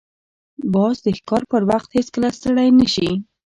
باز د ښکار پر وخت هیڅکله ستړی نه شي